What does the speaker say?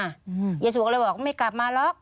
ยายสุกก็เลยบอกไม่กลับมาหรอก